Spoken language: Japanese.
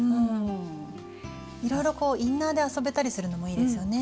いろいろこうインナーで遊べたりするのもいいですよね。